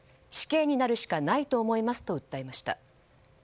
死刑になるしかないと思いますと訴えました。